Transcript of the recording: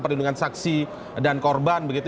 perlindungan saksi dan korban begitu